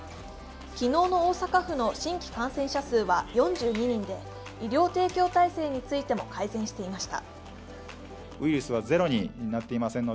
昨日の大阪府の新規感染者数は４２人で医療提供体制についても改善していました。